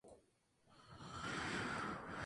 Organizó y realizó su marcha en perfectas condiciones.